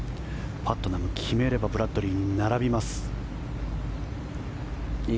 パットナム、決めればブラッドリーに並びます。